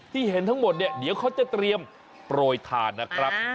ที่เห็นทั้งหมดเดี๋ยวเขาจะเตรียมโปรดทานนะครับ